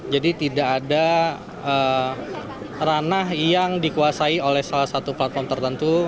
jadi tidak ada ranah yang dikuasai oleh salah satu platform tertentu